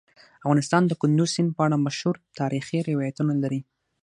افغانستان د کندز سیند په اړه مشهور تاریخی روایتونه لري.